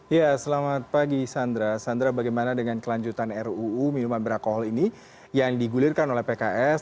ya selamat pagi sandra sandra bagaimana dengan kelanjutan ruu minuman beralkohol ini yang digulirkan oleh pks